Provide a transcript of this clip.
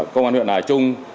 công an huyện hà trung